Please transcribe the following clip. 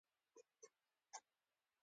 چا به سفر کاوه حمله پرې کېده.